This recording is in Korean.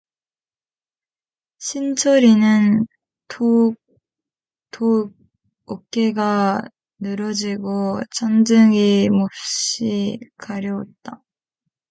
신철이는 더욱 어깨가 늘어지고 잔등이 몹시 가려웠다.